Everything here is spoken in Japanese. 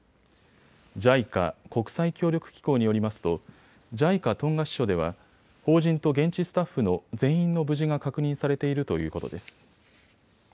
ＪＩＣＡ・国際協力機構によりますとＪＩＣＡトンガ支所では邦人と現地スタッフの全員の無事が確認されているということです。